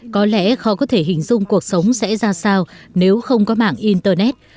có lẽ khó có thể hình dung cuộc sống sẽ ra sao nếu không có mạng internet